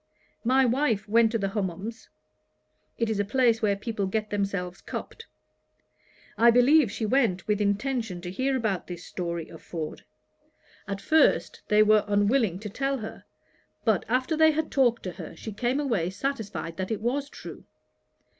My wife went to the Hummums; (it is a place where people get themselves cupped.) I believe she went with intention to hear about this story of Ford. At first they were unwilling to tell her; but, after they had talked to her, she came away satisfied that it was true.